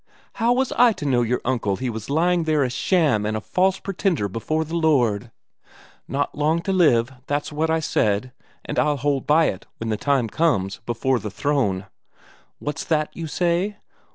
How was I to know your uncle he was lying there a sham and a false pretender before the Lord? Not long to live, that's what I said. And I'll hold by it, when the time comes, before the Throne. What's that you say?